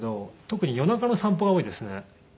特に夜中の散歩が多いですね。